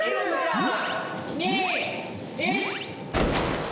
うわ！